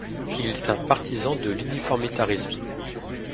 Il était un partisan de l'uniformitarisme.